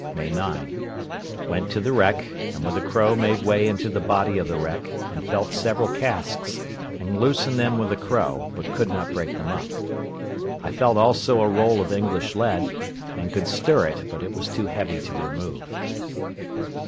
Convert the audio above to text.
May 9.—Went to the wreck, and with the crow made way into the body of the wreck, and felt several casks, and loosened them with the crow, but could not break them up. I felt also a roll of English lead, and could stir it, but it was too heavy to remove.